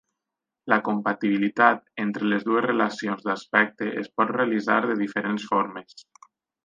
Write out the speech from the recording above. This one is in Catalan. La compatibilitat entre les dues relacions d'aspecte es pot realitzar de diferents formes.